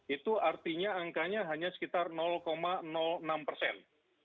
itu artinya angkanya hanya sekitar enam persen